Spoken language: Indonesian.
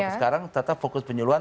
sekarang tetap fokus penyuluhan